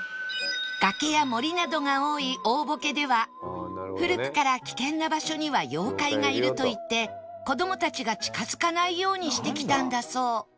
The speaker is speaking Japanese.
崖や森などが多い大歩危では古くから「危険な場所には妖怪がいる」といって子どもたちが近付かないようにしてきたんだそう